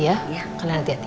jagain rena sister